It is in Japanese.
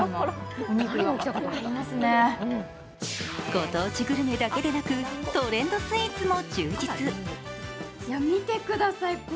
ご当地グルメだけでなくトレンドスイーツも充実。